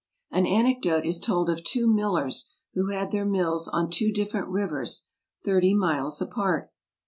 An anecdote is told of two millers who had their mills on two different rivers, thirty miles apart.